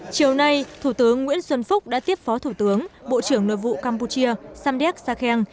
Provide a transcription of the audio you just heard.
chiều nay thủ tướng nguyễn xuân phúc đã tiếp phó thủ tướng bộ trưởng nội vụ campuchia samdech sakhen